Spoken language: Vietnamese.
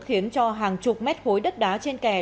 khiến cho hàng chục mét khối đất đá trên kè